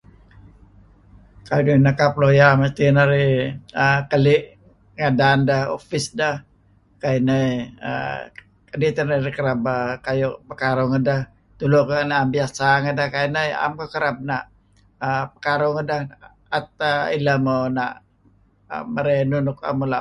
Kayu' narih nekap lawyer mesti narih err keli ngadan deh, ofis deh kayu' ineh idih teh narih kereb kayu' pekaruh gedah , Tulu koh na'em biasa ngedeh 'am koh kereb na' pekaruh gedeh, 'at teh ileh muh na' merey enun neh an muh la'